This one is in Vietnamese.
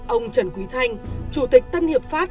ông trần quý thanh chủ tịch tân hiệp pháp